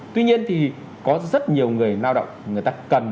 tuy nhiên thì có rất nhiều người lao động người ta cần